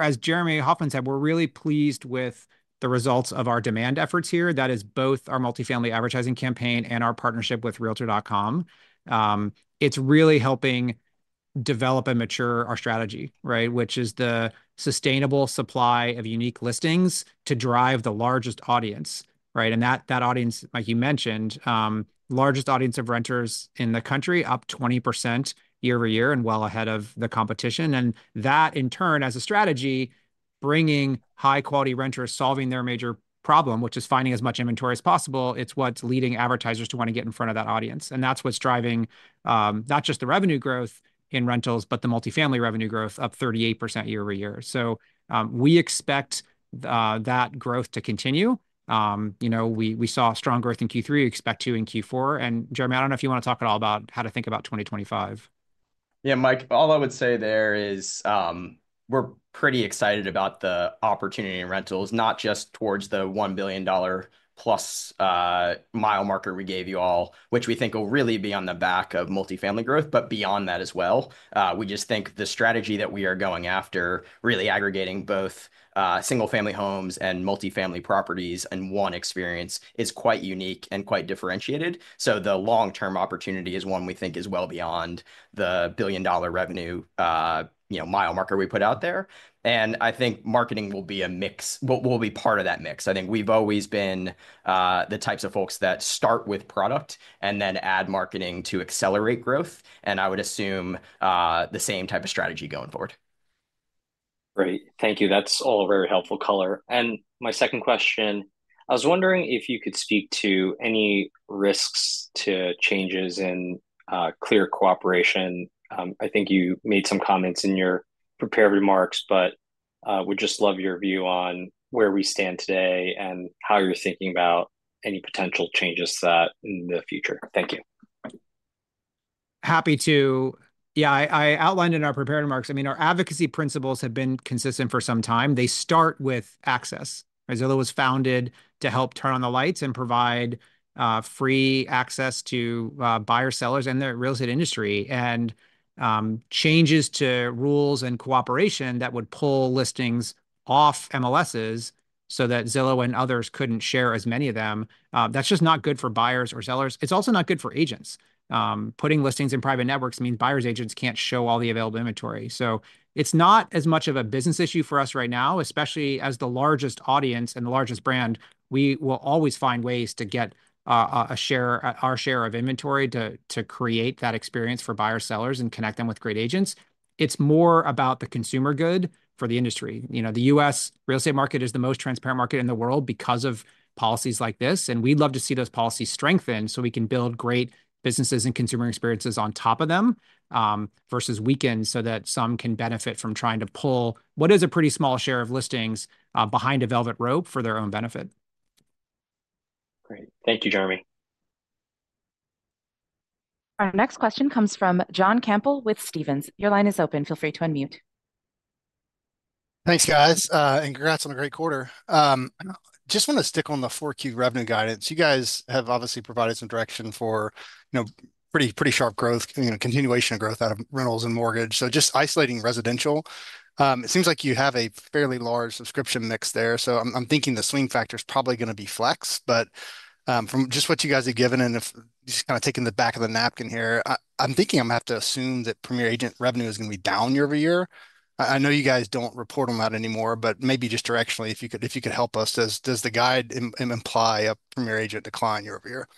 as Jeremy Hofmann said, we're really pleased with the results of our demand efforts here. That is both our multifamily advertising campaign and our partnership with Realtor.com. It's really helping develop and mature our strategy, which is the sustainable supply of unique listings to drive the largest audience. And that audience, like you mentioned, largest audience of renters in the country, up 20% year over year and well ahead of the competition. That, in turn, as a strategy, bringing high-quality renters solving their major problem, which is finding as much inventory as possible, it's what's leading advertisers to want to get in front of that audience. And that's what's driving not just the revenue growth in rentals, but the multifamily revenue growth up 38% year over year. So we expect that growth to continue. We saw strong growth in Q3. We expect too in Q4. And Jeremy, I don't know if you want to talk at all about how to think about 2025. Yeah, Mike, all I would say there is we're pretty excited about the opportunity in rentals, not just towards the $1 billion plus milestone we gave you all, which we think will really be on the back of multifamily growth, but beyond that as well. We just think the strategy that we are going after, really aggregating both single-family homes and multifamily properties in one experience, is quite unique and quite differentiated. So the long-term opportunity is one we think is well beyond the billion-dollar revenue mile marker we put out there. And I think marketing will be a mix. We'll be part of that mix. I think we've always been the types of folks that start with product and then add marketing to accelerate growth. And I would assume the same type of strategy going forward. Great. Thank you. That's all very helpful color. And my second question, I was wondering if you could speak to any risks to changes in Clear Cooperation. I think you made some comments in your prepared remarks, but would just love your view on where we stand today and how you're thinking about any potential changes to that in the future. Thank you. Happy to. Yeah, I outlined in our prepared remarks. I mean, our advocacy principles have been consistent for some time. They start with access. Zillow was founded to help turn on the lights and provide free access to buyers, sellers, and the real estate industry, and changes to rules and cooperation that would pull listings off MLSs so that Zillow and others couldn't share as many of them, that's just not good for buyers or sellers. It's also not good for agents. Putting listings in private networks means buyers' agents can't show all the available inventory. So it's not as much of a business issue for us right now, especially as the largest audience and the largest brand. We will always find ways to get our share of inventory to create that experience for buyers, sellers, and connect them with great agents. It's more about the consumer good for the industry. The U.S. real estate market is the most transparent market in the world because of policies like this. And we'd love to see those policies strengthen so we can build great businesses and consumer experiences on top of them versus weaken so that some can benefit from trying to pull what is a pretty small share of listings behind a velvet rope for their own benefit. Great. Thank you, Jeremy. Our next question comes from John Campbell with Stephens. Your line is open. Feel free to unmute. Thanks, guys. And congrats on a great quarter. Just want to stick on the Q4 revenue guidance. You guys have obviously provided some direction for pretty sharp growth, continuation of growth out of rentals and mortgage. So just isolating residential, it seems like you have a fairly large subscription mix there. So I'm thinking the swing factor is probably going to be flex. But from just what you guys have given and just kind of taking the back of the napkin here, I'm thinking I'm going to have to assume that premier agent revenue is going to be down year over year. I know you guys don't report on that anymore, but maybe just directionally, if you could help us, does the guide imply a premier agent decline year over year?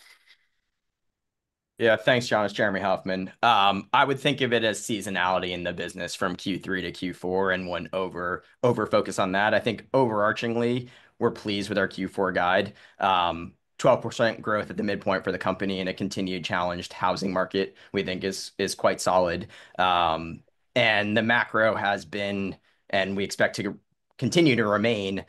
Yeah, thanks, John. It's Jeremy Hofmann. I would think of it as seasonality in the business from Q3 to Q4 and we won't over-focus on that. I think overarchingly, we're pleased with our Q4 guide. 12% growth at the midpoint for the company in a continued challenged housing market, we think, is quite solid. And the macro has been, and we expect to continue to remain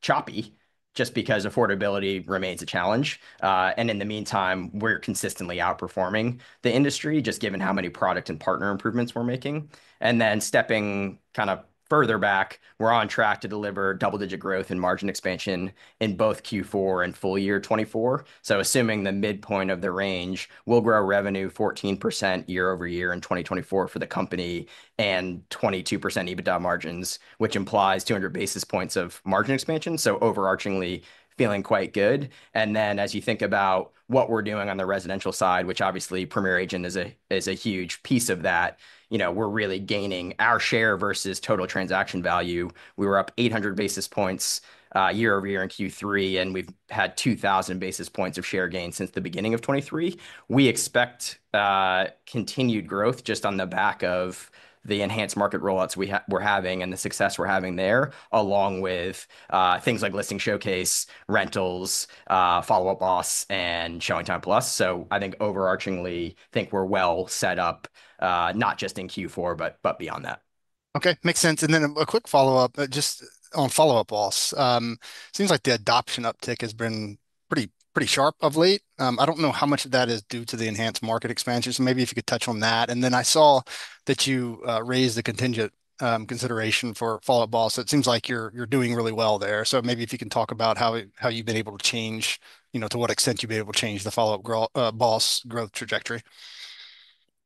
choppy just because affordability remains a challenge. And in the meantime, we're consistently outperforming the industry just given how many product and partner improvements we're making. And then stepping kind of further back, we're on track to deliver double-digit growth and margin expansion in both Q4 and full year 2024. So assuming the midpoint of the range, we'll grow revenue 14% year over year in 2024 for the company and 22% EBITDA margins, which implies 200 basis points of margin expansion. So overarchingly, feeling quite good. And then as you think about what we're doing on the residential side, which obviously Premier Agent is a huge piece of that, we're really gaining our share versus total transaction value. We were up 800 basis points year over year in Q3, and we've had 2,000 basis points of share gain since the beginning of 2023. We expect continued growth just on the back of the enhanced market rollouts we're having and the success we're having there, along with things like Zillow Showcase, Zillow Rentals, Follow Up Boss, and ShowingTime+. So I think overarchingly, I think we're well set up not just in Q4, but beyond that. Okay, makes sense. And then a quick follow-up just on Follow Up Boss. It seems like the adoption uptick has been pretty sharp of late. I don't know how much of that is due to the enhanced market expansion. So maybe if you could touch on that. And then I saw that you raised the contingent consideration for Follow Up Boss. It seems like you're doing really well there. So maybe if you can talk about how you've been able to change, to what extent you've been able to change the Follow Up Boss growth trajectory.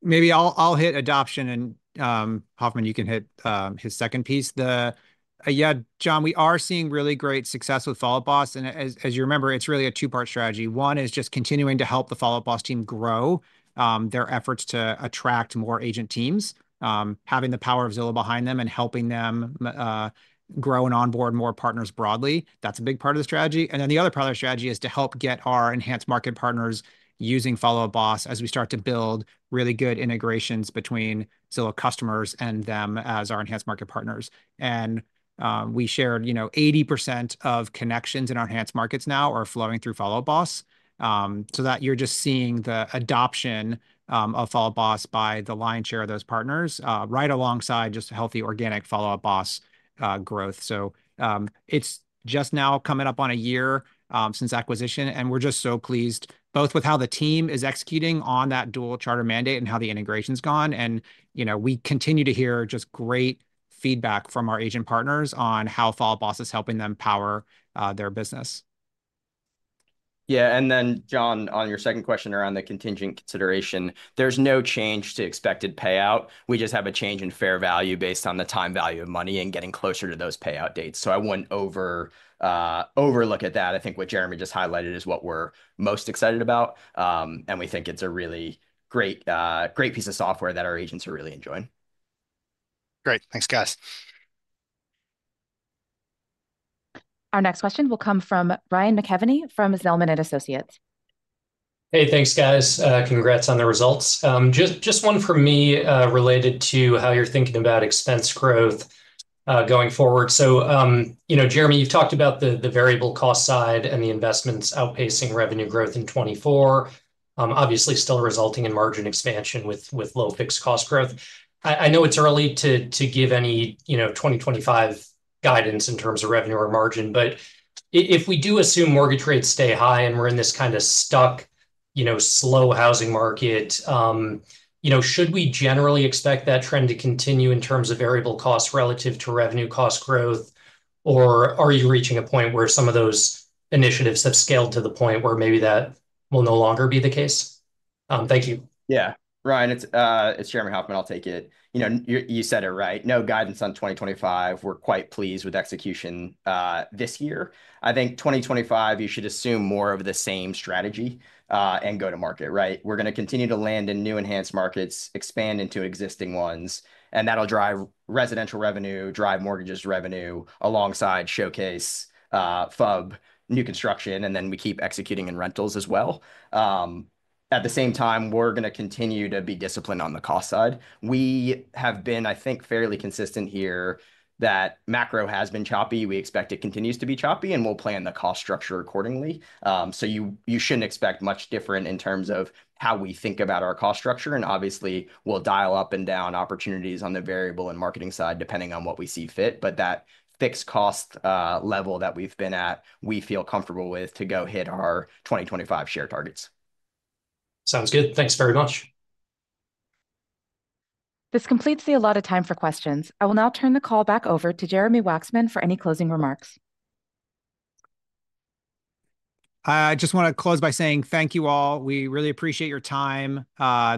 Maybe I'll hit adoption. And Hofmann, you can hit his second piece. Yeah, John, we are seeing really great success with Follow Up Boss. And as you remember, it's really a two-part strategy. One is just continuing to help the Follow Up Boss team grow their efforts to attract more agent teams, having the power of Zillow behind them and helping them grow and onboard more partners broadly. That's a big part of the strategy. And then the other part of our strategy is to help get our enhanced market partners using Follow Up Boss as we start to build really good integrations between Zillow customers and them as our enhanced market partners. And we shared 80% of connections in our enhanced markets now are flowing through Follow Up Boss. So that you're just seeing the adoption of Follow Up Boss by the lion's share of those partners right alongside just healthy organic Follow Up Boss growth. So it's just now coming up on a year since acquisition. And we're just so pleased both with how the team is executing on that dual charter mandate and how the integration's gone. And we continue to hear just great feedback from our agent partners on how Follow Up Boss is helping them power their business. Yeah. And then, John, on your second question around the contingent consideration, there's no change to expected payout. We just have a change in fair value based on the time value of money and getting closer to those payout dates. So I wouldn't overlook at that. I think what Jeremy just highlighted is what we're most excited about. And we think it's a really great piece of software that our agents are really enjoying. Great. Thanks, guys. Our next question will come from Ryan McKeveny from Zelman & Associates. Hey, thanks, guys. Congrats on the results. Just one for me related to how you're thinking about expense growth going forward. So Jeremy, you've talked about the variable cost side and the investments outpacing revenue growth in 2024, obviously still resulting in margin expansion with low fixed cost growth. I know it's early to give any 2025 guidance in terms of revenue or margin, but if we do assume mortgage rates stay high and we're in this kind of stuck, slow housing market, should we generally expect that trend to continue in terms of variable costs relative to revenue cost growth, or are you reaching a point where some of those initiatives have scaled to the point where maybe that will no longer be the case? Thank you. Yeah. Ryan, it's Jeremy Hofmann. I'll take it. You said it right. No guidance on 2025. We're quite pleased with execution this year. I think 2025, you should assume more of the same strategy and go to market. We're going to continue to land in new enhanced markets, expand into existing ones, and that'll drive residential revenue, drive mortgages revenue alongside showcase, FUB, new construction, and then we keep executing in rentals as well. At the same time, we're going to continue to be disciplined on the cost side. We have been, I think, fairly consistent here that macro has been choppy. We expect it continues to be choppy, and we'll plan the cost structure accordingly. So you shouldn't expect much different in terms of how we think about our cost structure. And obviously, we'll dial up and down opportunities on the variable and marketing side depending on what we see fit. But that fixed cost level that we've been at, we feel comfortable with to go hit our 2025 share targets. Sounds good. Thanks very much. This completes the allotted time for questions. I will now turn the call back over to Jeremy Wacksman for any closing remarks. I just want to close by saying thank you all. We really appreciate your time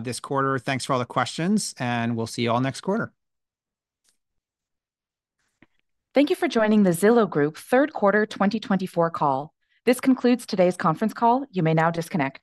this quarter. Thanks for all the questions, and we'll see you all next quarter. Thank you for joining the Zillow Group Third Quarter 2024 call. This concludes today's conference call. You may now disconnect.